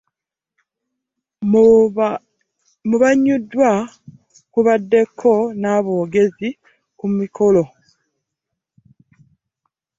Mu baganyuddwa kubaddeko n'aboogezi ku mikolo.